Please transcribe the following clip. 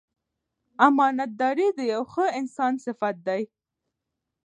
امانتداري د یو ښه انسان صفت دی.